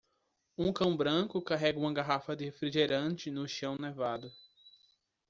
Um cão branco carrega uma garrafa de refrigerante no chão nevado.